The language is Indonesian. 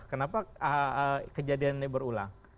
kenapa kejadian ini berulang